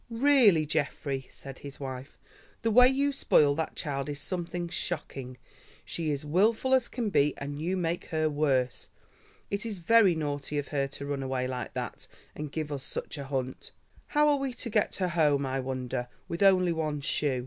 "Really, Geoffrey," said his wife, "the way you spoil that child is something shocking. She is wilful as can be, and you make her worse. It is very naughty of her to run away like that and give us such a hunt. How are we to get her home, I wonder, with only one shoe."